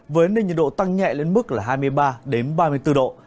với nền nhiệt độ tăng nhẹ lên mức là hai mươi ba ba mươi bốn độ